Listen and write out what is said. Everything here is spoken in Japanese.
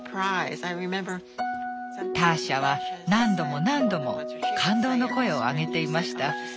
ターシャは何度も何度も感動の声を上げていました。